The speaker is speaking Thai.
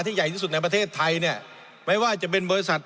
ใหญ่ที่สุดในประเทศไทยเนี่ยไม่ว่าจะเป็นบริษัท